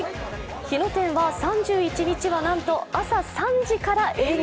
日野店は、３１日はなんと朝３時から営業。